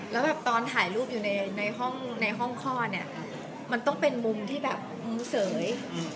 แล้วตอนถ่ายรูปอยู่ในห้องคล่อมันต้องเป็นมุมที่มุเสย